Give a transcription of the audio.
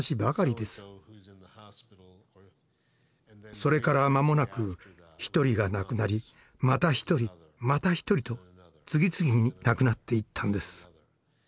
それから間もなく１人が亡くなりまた１人また１人と次々に亡くなっていったんです。